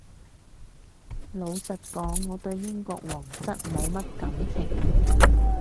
老實講我對英國皇室冇乜感情